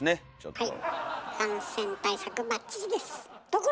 はい。